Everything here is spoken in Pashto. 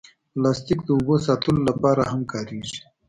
پلاستيک د اوبو ساتلو لپاره هم کارېږي.